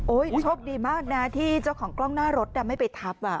โอ๋ยชวบดีมากนะที่เจ้าของกล้องหน้ารถแต่ไม่ไปทับว่ะ